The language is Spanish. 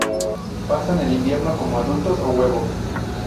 Pasan el invierno como adultos o huevos.